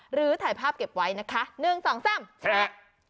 หรือถ่ายภาพเก็บไว้นะคะ๑๒๓แชร์